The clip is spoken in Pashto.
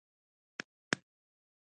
یو حکیم راغی او د زمري درملنه یې وکړه.